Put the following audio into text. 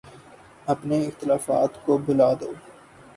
اپنے اختلافات کو بھلا دو۔